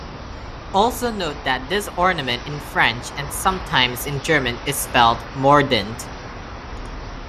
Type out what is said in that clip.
Also note that this ornament in French, and sometimes in German, is spelled "mordant".